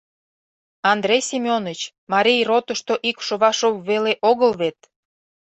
Андрей Семёныч, Марий ротышто ик Шовашов веле огыл вет?